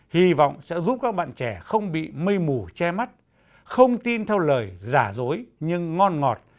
hy vọng sẽ giúp các bạn trẻ không bị mây mù che mắt không tin theo lời giả dối nhưng ngon ngọt